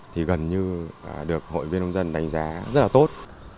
thì gần như được hội viên nông dân đánh giá rất là tốt